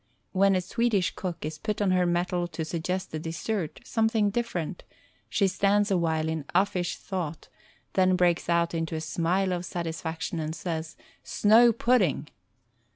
When a Swedish cook is put on her mettle to suggest a dessert — something different — she stands a while in ufEsh thought, then breaks out into a smile of satisfaction and says "Snow Pudding"